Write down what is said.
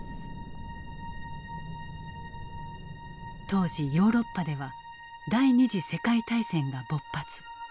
当時ヨーロッパでは第二次世界大戦が勃発。